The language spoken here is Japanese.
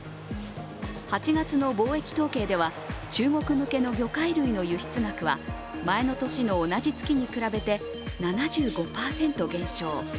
８月の貿易統計では中国向けの魚介類の輸出額は前の年の同じ月に比べて７５％減少。